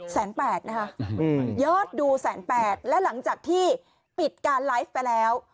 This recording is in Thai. แสนแปดนะคะยอดดูแสนแปดและหลังจากที่ปิดการไลฟ์ไปแล้ว